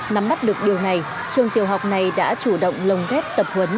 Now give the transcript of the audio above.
nắm bắt được điều này trường tiểu học này đã chủ động lồng ghép tập huấn